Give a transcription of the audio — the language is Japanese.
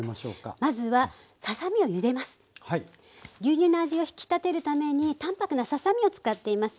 牛乳の味を引き立てるために淡泊なささ身を使っています。